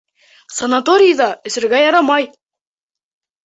Санаторийҙа эсергә ярамай!